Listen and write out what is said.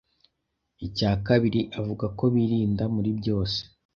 Icya kabiri avuga ko birinda muri byose.